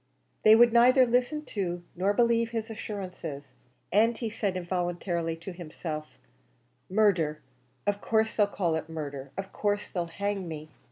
They would neither listen to nor believe his assurances; and he said involuntarily to himself "Murder! of course they'll call it murder! of course they'll hang me!"